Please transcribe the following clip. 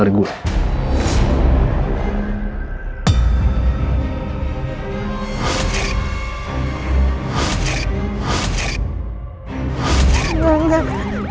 telepon ke rengga serangan biasa